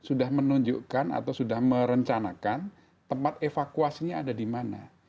sudah menunjukkan atau sudah merencanakan tempat evakuasinya ada di mana